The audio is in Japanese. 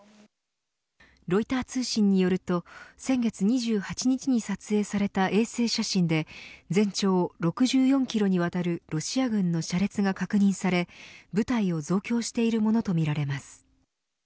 ロイター通信によると先月２８日に撮影された衛星写真で全長６４キロにわたるロシア軍の車列が確認され部隊を増強しているものとみられます。